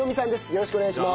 よろしくお願いします。